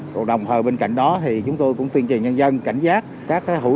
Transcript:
còn đồng thời bên cạnh đó thì chúng tôi cũng tuyên truyền nhân dân cảnh giác các hữu